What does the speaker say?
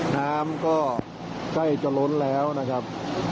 น้ำก็ใกล้จะล้นแล้วนะครับ